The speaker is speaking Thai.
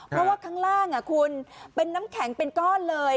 เพราะว่าข้างล่างคุณเป็นน้ำแข็งเป็นก้อนเลย